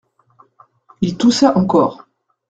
Il toussa encore.